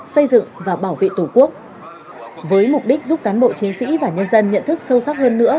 xây dựng và bảo vệ tổ quốc với mục đích giúp cán bộ chiến sĩ và nhân dân nhận thức sâu sắc hơn nữa